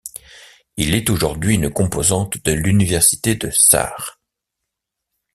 Il est aujourd'hui une composante de l'université de Sarh.